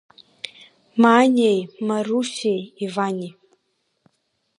Маниеи, Марусиеи, Ивани.